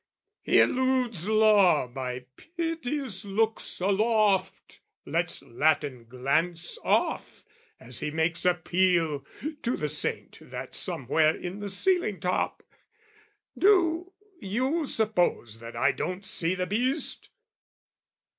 He eludes law by piteous looks aloft, Lets Latin glance off as he makes appeal To the saint that's somewhere in the ceiling top, Do you suppose that I don't see the beast?